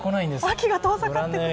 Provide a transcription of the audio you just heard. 秋が遠ざかっている。